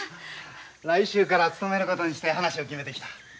来週から勤めることにして話を決めてきた。